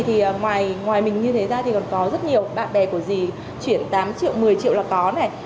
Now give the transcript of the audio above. thì ngoài mình như thế ra thì còn có rất nhiều bạn bè của dì chuyển tám triệu một mươi triệu là có này